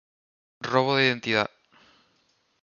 Robo de identidad